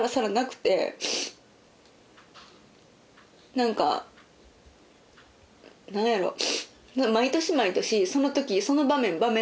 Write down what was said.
何か何やろう。